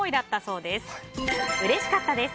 うれしかったです。